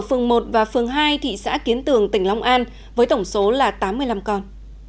ở phường một và phường hai thị xã kiến tường tỉnh long an với tổng số là tám mươi năm con